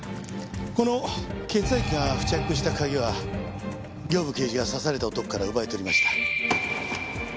この血液が付着した鍵は刑部刑事が刺された男から奪い取りました。